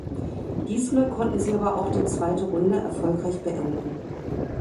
Diesmal konnten sie aber auch die zweite Runde erfolgreich beenden.